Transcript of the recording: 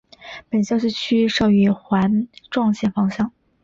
本休息区仅设于环状线方向。